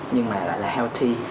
nhưng mà lại là healthy